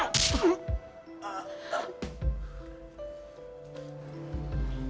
wah kacau banget